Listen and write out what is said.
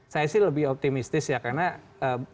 saya sih lebih optimistis ya karena sekarang sekubungan